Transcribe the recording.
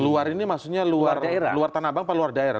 luar ini maksudnya luar tanah abang luar daerah